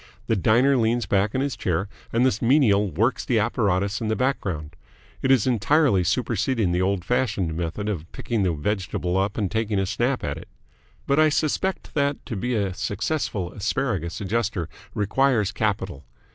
The diner leans back in his chair, and the menial works the apparatus in the background. It is entirely superseding the old fashioned method of picking the vegetable up and taking a snap at it. But I suspect that to be a successful Asparagus Adjuster requires capital.